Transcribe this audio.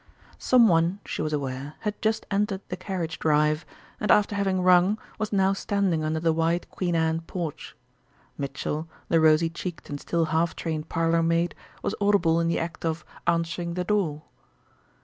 Some one, she was aware, had just entered the carriage drive, and after having rung, was now standing under the white "Queen Anne" porch; Mitchell, the rosy cheeked and still half trained parlour maid, was audible in the act of "answering the door."